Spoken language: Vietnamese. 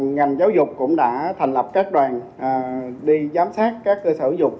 ngành giáo dục cũng đã thành lập các đoàn đi giám sát các cơ sở dục